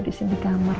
di sini di kamar